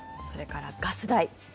それからガス代。